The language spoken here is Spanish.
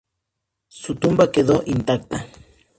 Su tumba quedó intacta.